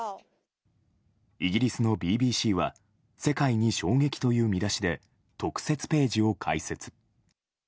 イギリスのＢＢＣは「世界に衝撃」という見出しで特設ページを開設。